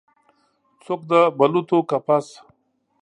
څوک د بلوطو کپس